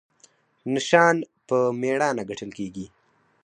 نشان په میړانه ګټل کیږي